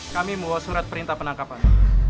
kami membawa surat perintah penangkapan